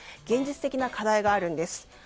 現実的な課題があるんです。